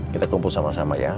kita kumpul sama sama ya